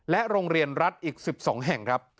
โรงเรียนรัฐอีก๑๒แห่งครับ